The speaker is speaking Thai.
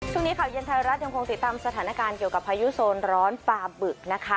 ช่วงนี้ข่าวเย็นไทยรัฐยังคงติดตามสถานการณ์เกี่ยวกับพายุโซนร้อนปลาบึกนะคะ